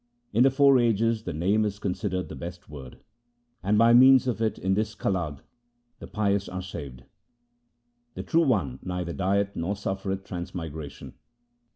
In the four ages the Name is considered the best word, And by means of it in this Kalage the pious are saved. The True One neither dieth nor suffereth transmigration.